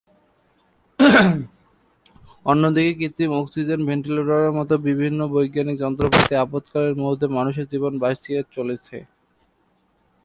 অন্যদিকে কৃত্রিম অক্সিজেন, ভেন্টিলেটরের মতো বিভিন্ন বৈজ্ঞানিক যন্ত্রপাতি আপৎকালীন মুহূর্তে মানুষের জীবন বাঁচিয়ে চলেছে।